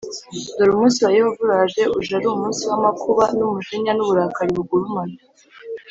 Dore umunsi wa Yehova uraje uje ari umunsi w amakuba n umujinya n uburakari bugurumana